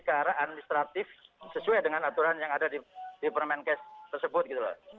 ke arah administratif sesuai dengan aturan yang ada di permenkes tersebut gitu loh